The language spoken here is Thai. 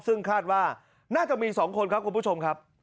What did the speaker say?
ซึ่งคาดว่าน่าจะมี๒คนครับคุณผู้ชมครับ